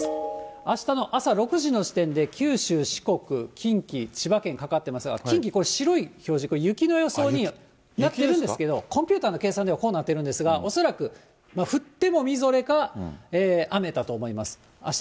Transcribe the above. あしたの朝６時の時点で、九州、四国、近畿、千葉県かかってますが、近畿、これ、白い表示、これ、雪の予想になっているんですけど、コンピューターの計算ではこうなってるんですが、恐らく、降ってもみぞれか、雨だと思います。